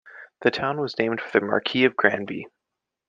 The town was named for the Marquis of Granby.